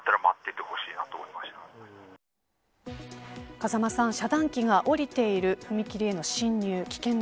風間さん、遮断機が下りている踏切への進入